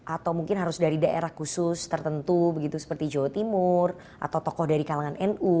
atau mungkin harus dari daerah khusus tertentu begitu seperti jawa timur atau tokoh dari kalangan nu